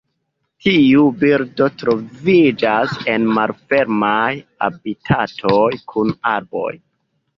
Tiu birdo troviĝas en malfermaj habitatoj kun arboj.